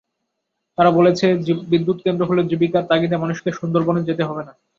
তারা বলেছে, বিদ্যুৎকেন্দ্র হলে জীবিকার তাগিদে মানুষকে সুন্দরবনে যেতে হবে না।